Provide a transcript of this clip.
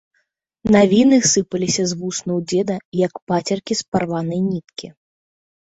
Навіны сыпаліся з вуснаў дзеда, як пацеркі з парванай ніткі.